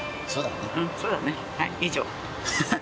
はい以上。